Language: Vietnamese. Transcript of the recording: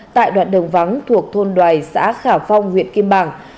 tại đoạn đồng vắng thuộc thôn đoài xã khảo phong huyện kim bảng